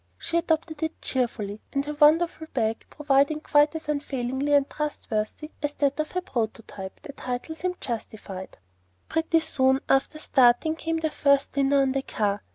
She adopted it cheerfully; and her "wonderful bag" proving quite as unfailing and trustworthy as that of her prototype, the title seemed justified. Pretty soon after starting came their first dinner on the car.